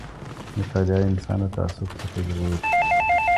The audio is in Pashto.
مطالعه انسان له تعصب څخه ژغوري.